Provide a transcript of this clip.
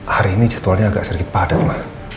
hari ini jadwalnya agak sedikit padat ma